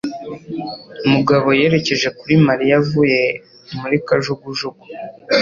Mugabo yerekeje kuri Mariya avuye muri kajugujugu.